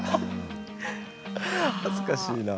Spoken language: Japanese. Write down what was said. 恥ずかしいな。